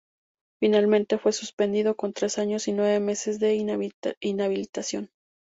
Finalmente fue suspendido con tres años y nueve meses de inhabilitación.